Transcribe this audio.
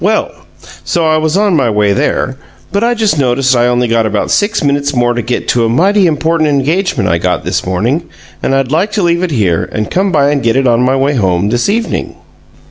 Well, so I was on my way there, but I just noticed I only got about six minutes more to get to a mighty important engagement I got this morning, and I'd like to leave it here and come by and get it on my way home, this evening."